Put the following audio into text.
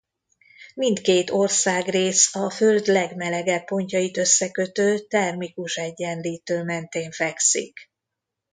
Mindkét országrész a Föld legmelegebb pontjait összekötő termikus egyenlítő mentén fekszik.